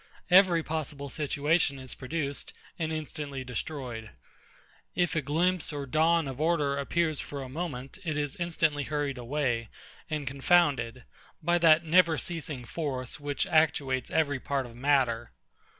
Every possible situation is produced, and instantly destroyed. If a glimpse or dawn of order appears for a moment, it is instantly hurried away, and confounded, by that never ceasing force which actuates every part of matter.